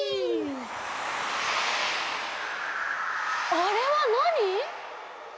あれはなに？